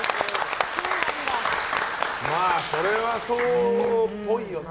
まあそれはそうっぽいよな